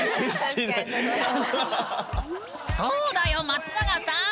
そうだよ松永さん！